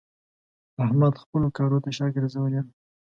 احمد خپلو کارو ته شا ګرځولې ده.